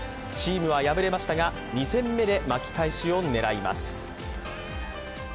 チームは敗れましたが、２戦目で巻き返しを狙います。